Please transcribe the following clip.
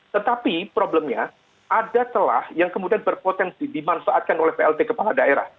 tetapi problemnya ada telah yang kemudian berpotensi dimanfaatkan oleh plt kepala daerah